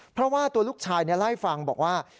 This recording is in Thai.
เพราะว่าตัวลูกชายเล่าให้ฟังบอกว่า